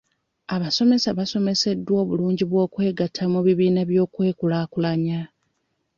Abasomesa basomesebwa obulungi bw'okwegatta mu bibiina by'okwekulaakulanya.